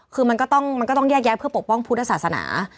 คือมันก็ต้องแยกแยะเพื่อปกป้องพุทธศาสนา